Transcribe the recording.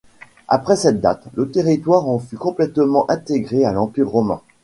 Après cette date, le territoire en fut complètement intégré à l'Empire romain.